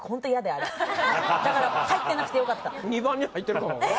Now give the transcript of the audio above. あれだから入ってなくてよかったええ！？